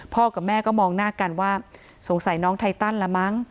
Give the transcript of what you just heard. กับแม่ก็มองหน้ากันว่าสงสัยน้องไทตันละมั้ง